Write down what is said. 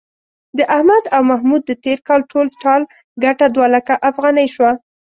د احمد او محمود د تېر کال ټول ټال گټه دوه لکه افغانۍ شوه.